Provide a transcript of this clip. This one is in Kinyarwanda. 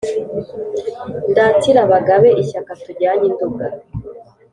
Ndatire Abagabe ishyaka tujyanye i Nduga